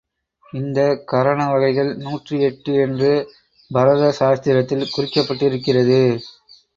இந்த கரன வகைகள் நூற்றி எட்டு என்று, பரத சாஸ்திரத்தில் குறிக்கப்பட்டிருக்கிறது.